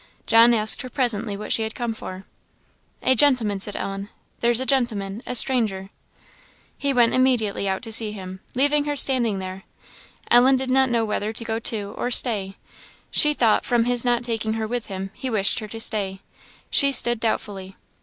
John asked her presently what she had come for. "A gentleman," said Ellen "there's a gentleman, a stranger." He went immediately out to see him, leaving her standing there. Ellen did not know whether to go too, or stay; she thought, from his not taking her with him, he wished her to stay; she stood doubtfully.